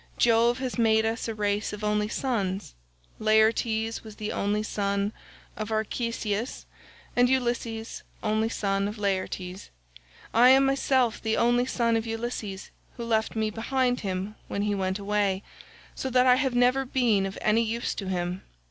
Jove has made us a race of only sons. Laertes was the only son of Arceisius, and Ulysses only son of Laertes. I am myself the only son of Ulysses who left me behind him when he went away, so that I have never been of any use to him.